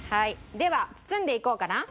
では包んでいこうかな。